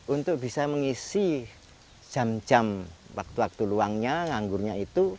untuk bisa mengisi jam jam waktu waktu luangnya nganggurnya itu